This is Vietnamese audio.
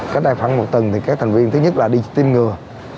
cách đây khoảng một tuần thì các thành viên thứ nhất là đi tiêm ngừa